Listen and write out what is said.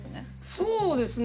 そうですね。